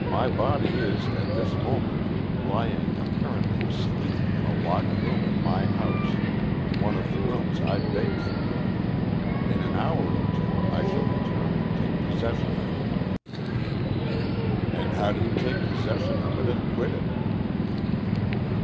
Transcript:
My body is at this moment lying apparently asleep in a locked room in my house one of the rooms I begged from you. In an hour or two I shall return and take possession of it." "And how do you take possession of it and quit it?"